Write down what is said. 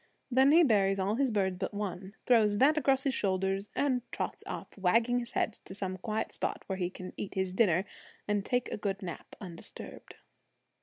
Then he buries all his birds but one, throws that across his shoulders, and trots off, wagging his head, to some quiet spot where he can eat his dinner and take a good nap undisturbed.